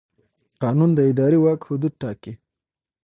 قانون د اداري واک حدود ټاکي.